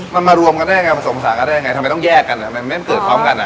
มันมารวมกันได้ยังไงผสมภาษากันได้ยังไงทำไมต้องแยกกันไม่เกิดกันอ่ะ